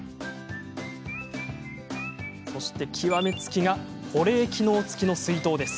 極め付きが保冷機能付きの水筒です。